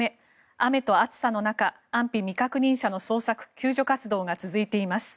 雨と暑さの中、安否未確認者の捜索・救助活動が続いています。